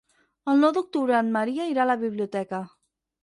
El nou d'octubre en Maria irà a la biblioteca.